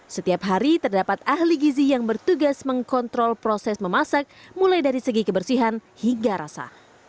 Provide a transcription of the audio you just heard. setiap hari terdapat ahli gizi yang bertugas mengkontrol proses memasak mulai dari segi kebersihan hingga rasa